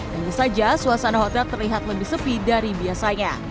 dan ini saja suasana hotel terlihat lebih sepi dari biasanya